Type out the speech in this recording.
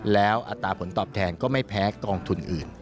แล้วอัตราผลตอบแทนก็ไม่แพ้กองทุนอื่น